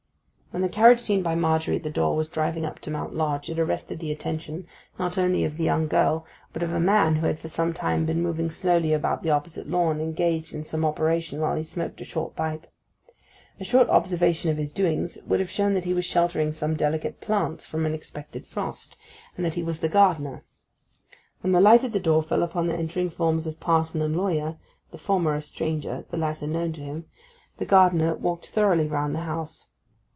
When the carriage seen by Margery at the door was driving up to Mount Lodge it arrested the attention, not only of the young girl, but of a man who had for some time been moving slowly about the opposite lawn, engaged in some operation while he smoked a short pipe. A short observation of his doings would have shown that he was sheltering some delicate plants from an expected frost, and that he was the gardener. When the light at the door fell upon the entering forms of parson and lawyer—the former a stranger, the latter known to him—the gardener walked thoughtfully round the house.